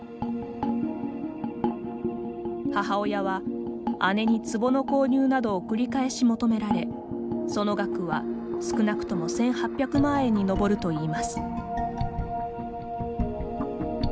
母親は、姉につぼの購入などを繰り返し求められ、その額は少なくとも１８００万円に上るといいます。